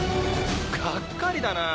「がっかりだな